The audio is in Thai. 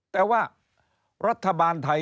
แต่ว่ารัฐบาลไทย